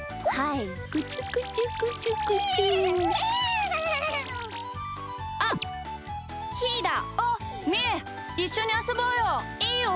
いっしょにあそぼうよ。